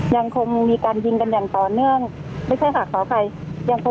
ยังคงมีการยิงกันอย่างต่อเนื่องไม่ใช่หักเท้าใคร